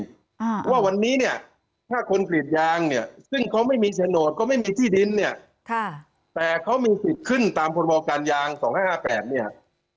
เพราะว่าวันนี้เนี่ยถ้าคนกรีดยางเนี่ยซึ่งเขาไม่มีโฉนดก็ไม่มีที่ดินเนี่ยค่ะแต่เขามีสิทธิ์ขึ้นตามพรบการยางสองห้าห้าแปดเนี่ย